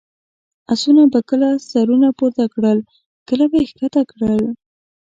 اسونو به کله سرونه پورته کړل، کله به یې کښته کړل.